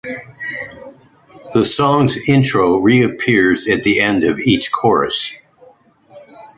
The song's intro reappears at the end of each chorus.